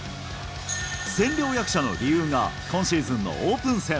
千両役者の理由が、今シーズンのオープン戦。